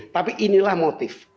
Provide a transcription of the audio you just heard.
tapi inilah motif